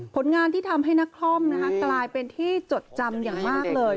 ผลงานที่ทำให้นักคล่อมกลายเป็นที่จดจำอย่างมากเลย